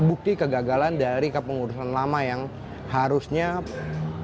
ini bukti kegagalan dari kepengurusan lama yang harusnya diperbaiki